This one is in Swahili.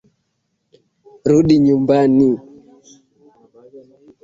Rudi nyumbani.